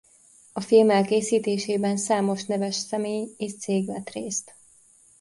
A film elkészítésében számos neves személy és cég vett részt.